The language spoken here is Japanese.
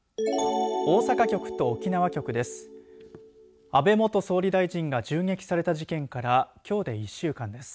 大阪局と沖縄局です。